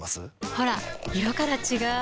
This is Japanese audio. ほら色から違う！